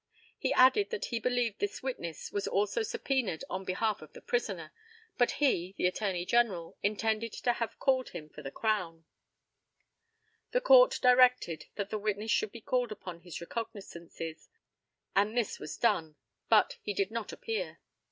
He added that he believed this witness was also subpœned on behalf of the prisoner, but he (the Attorney General) intended to have called him for the Crown. The COURT directed that the witness should be called upon his recognizances, and this was done, but he did not appear.